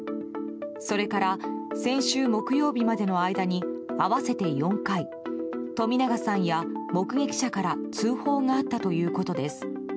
それから先週木曜日までの間に合わせて４回冨永さんや目撃者から通報があったということです。